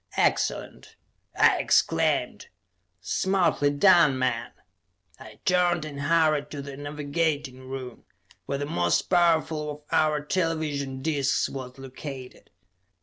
"Excellent!" I exclaimed. "Smartly done, men!" I turned and hurried to the navigating room, where the most powerful of our television discs was located.